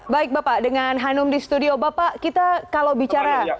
baik bapak dengan hanum di studio bapak kita kalau bicara